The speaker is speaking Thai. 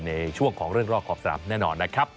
ในช่วงของเรื่องรอบขอบสนามแน่นอนนะครับ